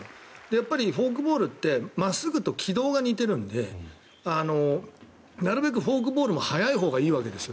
やっぱりフォークボールって真っすぐと軌道が似てるのでなるべくフォークボークも速いほうがいいわけです。